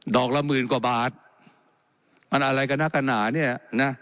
อกละหมื่นกว่าบาทมันอะไรกันนักกันหนาเนี่ยนะ